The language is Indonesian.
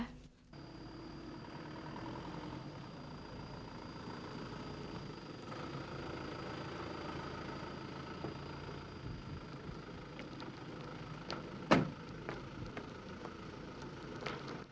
saya di situ sebagai duduk